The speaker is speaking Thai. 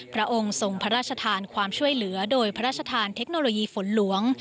พระองค์ทรงพระราชทานความช่วยเหลือโดยพระราชทานเทคโนโลยีฝนหลวง